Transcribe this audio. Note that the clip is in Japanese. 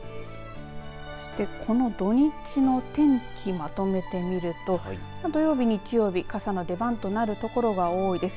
そしてこの土日の天気まとめてみると土曜日、日曜日、傘の出番となるところが多いです。